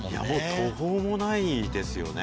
途方もないですよね。